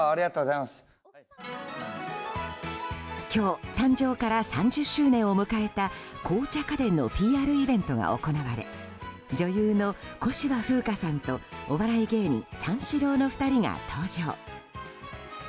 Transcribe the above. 今日誕生から３０周年を迎えた紅茶花伝のＰＲイベントが行われ女優の小芝風花さんとお笑い芸人三四郎の２人が登場。